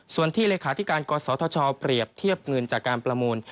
ส่วนที่เลขาธิการกศธชเปรียบเทียบเงินจากการประมูล